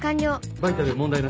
バイタル問題なし。